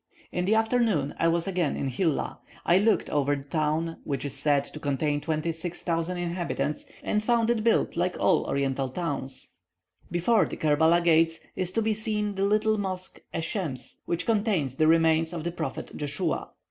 In the afternoon I was again in Hilla. I looked over the town, which is said to contain 26,000 inhabitants, and found it built like all Oriental towns. Before the Kerbela gates is to be seen the little mosque Esshems, which contains the remains of the prophet Joshua.